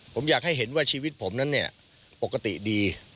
ผมอยากให้เห็นว่าชีวิตผมนั้นเนี่ยปกติดี